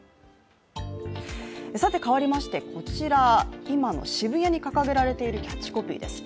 変わりましてこちら、今の渋谷に掲げられているキャッチコピーです。